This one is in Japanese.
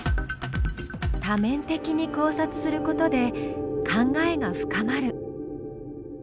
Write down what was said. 多面的に考察することで考えが深まる。